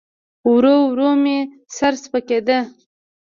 ورو ورو مې سر سپکېده.